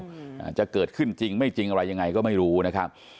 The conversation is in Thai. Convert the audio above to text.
อาจจะเกิดขึ้นจริงไม่จริงอะไรยังไงก็ไม่รู้นะครับ